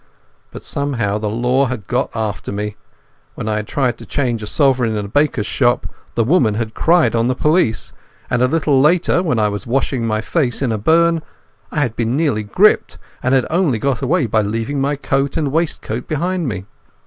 But somehow the law had got after me. When I had tried to change a sovereign in a baker's shop, the woman had cried on the police, and a little later, when I was washing my face in a burn, I had been nearly gripped, and had only got away by leaving my coat and waistcoat behind me.